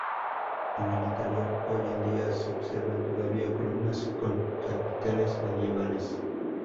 En el interior hoy en día se observan todavía columnas con capiteles medievales.